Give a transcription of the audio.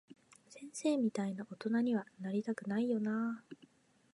先生みたいな大人には、なりたくないよなぁ。